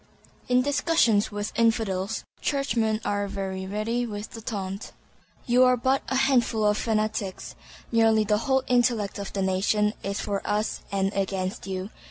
In discussions with "Infidels," Churchmen are very ready with the taunt, "You are but a handful of' fanatics. Nearly the whole intellect of the nation is for us and against you."